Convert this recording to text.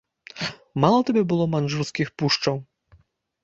Мала табе было маньчжурскіх пушчаў?